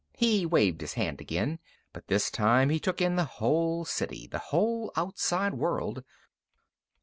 He waved his hand again, but, this time, he took in the whole city the whole outside world.